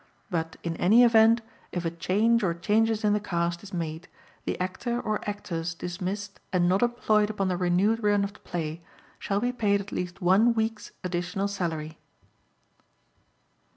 But in any event if a change or changes in the cast is made the Actor or Actors dismissed and not employed upon the renewed run of the play shall be paid at least one week's additional salary.